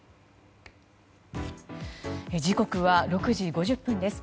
時刻は６時５０分です。